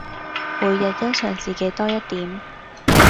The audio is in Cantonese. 每日欣賞自己多一點